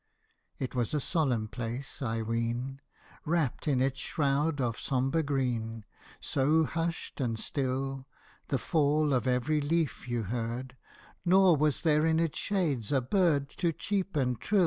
It was a solemn place, I ween, Wrapt in its shroud of sombre green, So hushed and still , The fall of every leaf you heard, Nor was there in its shades a bird To cheep and trill.